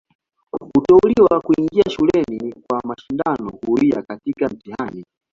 Kuteuliwa kuingia shuleni ni kwa mashindano huria katika mtihani.